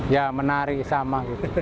ya menarik sama